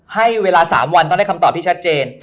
ให้เวลา๓วันต้องได้คำตอบที่ชัดเจน